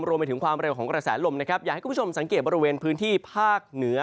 รวมไปถึงความเร็วของกระแสลมนะครับอยากให้คุณผู้ชมสังเกตบริเวณพื้นที่ภาคเหนือ